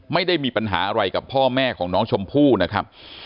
ไม่ได้มีปัญหาอะไรกับพ่อแม่ของน้องชมพู่นะครับ